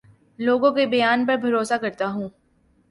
لوگوں کے بیان پر بھروسہ کرتا ہوں